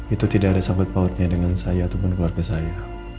itu tidak ada sahabat pautnya dengan saya ataupun keluarga saya